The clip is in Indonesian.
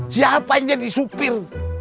siapa yang jadi supir